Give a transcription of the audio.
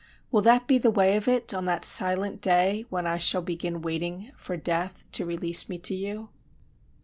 Will that be the way of it, On that silent day when I shall begin waiting For Death to release me to you?